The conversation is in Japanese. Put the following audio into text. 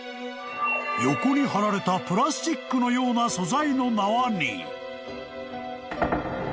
［横に張られたプラスチックのような素材の縄に］